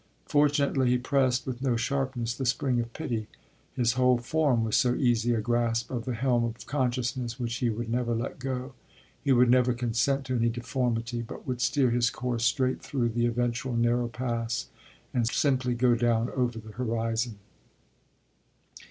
Fortunately he pressed with no sharpness the spring of pity his whole "form" was so easy a grasp of the helm of consciousness, which he would never let go. He would never consent to any deformity, but would steer his course straight through the eventual narrow pass and simply go down over the horizon.